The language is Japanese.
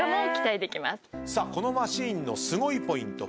このマシンのすごいポイント。